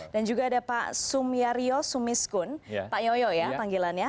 dan juga ada pak sumyaryo sumiskun pak yoyo ya tanggilannya